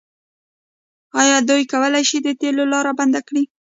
آیا دوی کولی شي د تیلو لاره بنده کړي؟